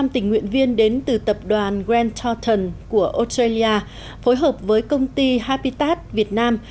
một trăm sáu mươi năm tỉnh nguyện viên đến từ tập đoàn grand totten của australia phối hợp với công ty habitat việt nam